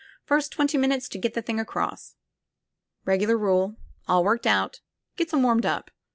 First twenty minutes to get the thing across. Eegular rule. All worked out. Gets 'em warmed up.